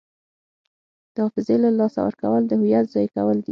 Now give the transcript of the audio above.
د حافظې له لاسه ورکول د هویت ضایع کول دي.